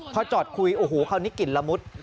พอจอดคุยอุ้โหเขานี่กลิ่นระมุด